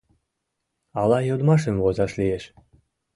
— Ала йодмашым возаш лиеш?